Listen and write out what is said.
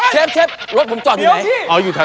เชฟเชฟรถผมจอดอยู่ไหน